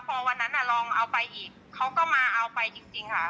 พอวันนั้นลองเอาไปอีกเขาก็มาเอาไปจริงค่ะ